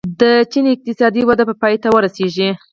د چین اقتصادي وده به پای ته ورسېږي.